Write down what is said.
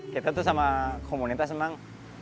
kita tuh sama komunitas emang